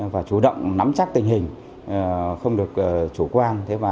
và chủ động nắm chắc tình hình không được chủ quan